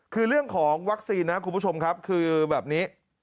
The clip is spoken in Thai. คือเรื่องของวัคซีนนะคุณผู้ชมครับคือแบบนี้